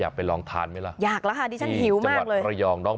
อารมณ์ของแม่ค้าอารมณ์การเสิรฟนั่งอยู่ตรงกลาง